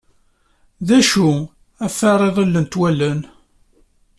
D acu iɣef ara ḍillent wallen?